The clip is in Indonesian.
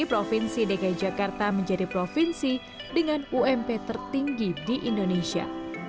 provinsi dki jakarta menjadi provinsi dengan ump tertinggi di indonesia